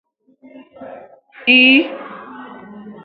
The shield blends the themes of native and natural heritage and the railway.